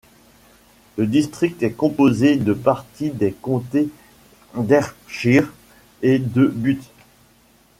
Le district est composé de parties des comtés d'Ayrshire et de Bute.